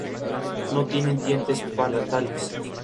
Es respirable. No veo indicios de vida inteligente.